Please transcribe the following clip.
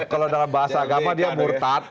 kalau dalam bahasa agama dia murtad